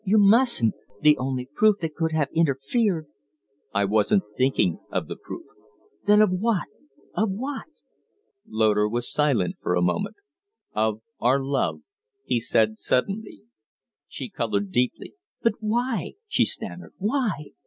You mustn't! The only proof that could have interfered " "I wasn't thinking of the proof." "Then of what? Of what?" Loder was silent for a moment. "Of our love," he said, steadily. She colored deeply. "But why?" she stammered; "why?